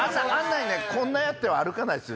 こんなんやっては歩かないですよ